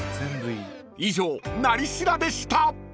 ［以上「なり調」でした］